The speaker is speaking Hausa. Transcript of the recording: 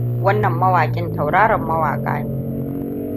Wannan mawaƙin tauraron mawaƙa ne.